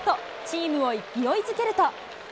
チームを勢いづけると。